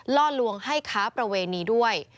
ล่อลวงให้ค้าประเวณีด้วย